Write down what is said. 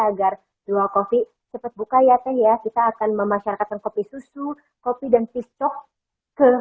agar jual kopi cepet buka ya teh ya kita akan memasyarakatkan kopi susu kopi dan pistok ke